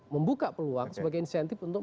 membuka peluang sebagai insentif untuk